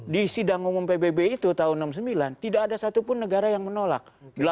di sidang umum pbb itu tahun seribu sembilan ratus enam puluh sembilan tidak ada satupun negara yang menolak